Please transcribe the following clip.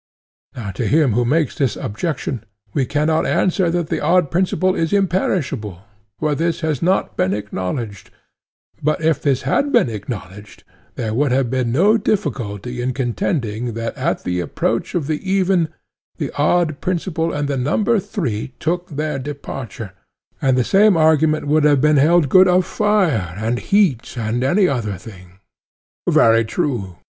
Now to him who makes this objection, we cannot answer that the odd principle is imperishable; for this has not been acknowledged, but if this had been acknowledged, there would have been no difficulty in contending that at the approach of the even the odd principle and the number three took their departure; and the same argument would have held good of fire and heat and any other thing. Very true.